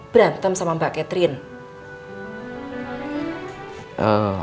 berantem sama mbak catherine